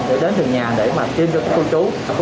để đến thường nhà để tiêm cho các cô chú